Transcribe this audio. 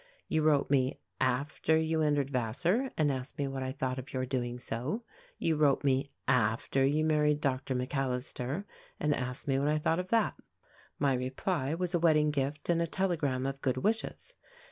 You wrote me after you entered Vassar and asked me what I thought of your doing so. You wrote me after you married Doctor McAllister, and asked me what I thought of that. My reply was a wedding gift and a telegram of good wishes.